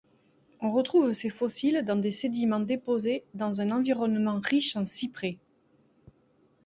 On retrouve ses fossiles dans des sédiments déposés dans un environnement riche en cyprès.